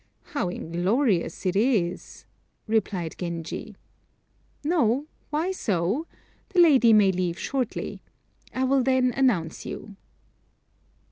How inglorious it is," replied Genji. "No; why so? The lady may leave shortly. I will then announce you."